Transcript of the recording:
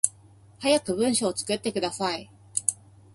早く文章作ってください